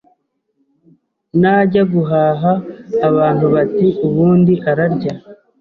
najya guhaha abantu bati ubundi ararya